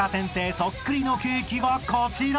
そっくりのケーキがこちら！］